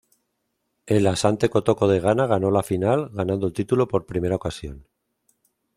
El Asante Kotoko de Ghana ganó la final, ganando el título por primera ocasión.